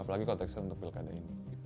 apalagi konteksnya untuk pilkada ini